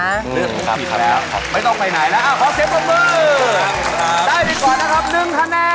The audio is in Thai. ไม่ต้องไปไหนเอาค่ะขอเช็บมือได้ดีกว่านะครับ๑แอน